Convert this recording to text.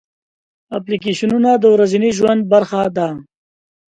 اپلیکیشنونه د ورځني ژوند برخه ده.